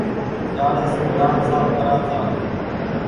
جآڙي سون ۮآنٿ ساڦ ڪرآن ڇآن ۔